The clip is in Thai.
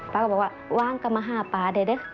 ป้าก็บอกว่าว่างกันมาห้าป้าเด็ด